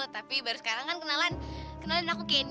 tapi baru sekarang kan kenalan kenalin aku kenny